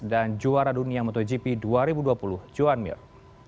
dan juara dunia motogp dua ribu dua puluh joan mir